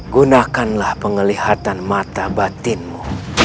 gunakanlah pengelihatan mata batinmu